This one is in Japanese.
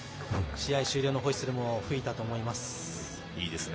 試合終了のホイッスルを吹いたいいですね。